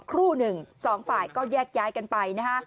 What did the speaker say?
ครูหนึ่งสองฝ่ายก็แยกย้ายกันไปนะฮะ